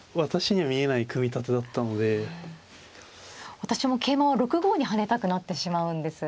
私も桂馬は６五に跳ねたくなってしまうんです。